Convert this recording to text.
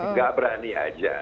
nggak berani aja